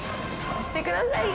押してください！